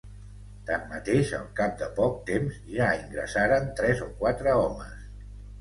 Tanmateix, al cap de poc temps ja ingressaren tres o quatre homes.